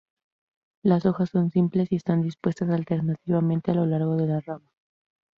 Los hojas son simples y están dispuestas alternativamente a lo largo de la rama.